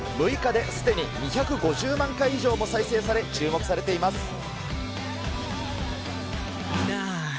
６日ですでに２５０万回以上も再生され、注目されています。